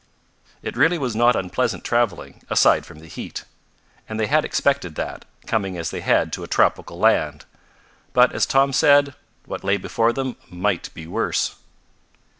It really was not unpleasant traveling, aside from the heat. And they had expected that, coming as they had to a tropical land. But, as Tom said, what lay before them might be worse.